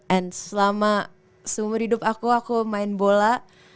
and selama seumur hidup aku aku main bola